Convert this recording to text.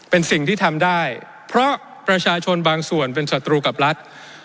เป็นสิ่งที่ทำได้เพราะประชาชนบางส่วนเป็นศัตรูกับรัฐ